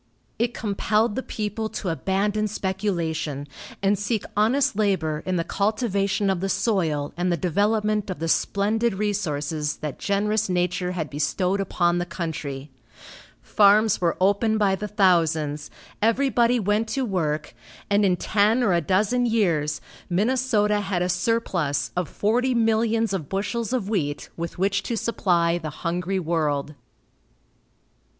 It compelled the people to abandon speculation, and seek honest labor in the cultivation of the soil and the development of the splendid resources that generous nature had bestowed upon the country. Farms were opened by the thousands, everybody went to work, and in ten or a dozen years, Minnesota had a surplus of forty millions of bushels of wheat with which to supply the hungry world.